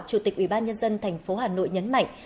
chủ tịch ubnd tp hà nội nhấn mạnh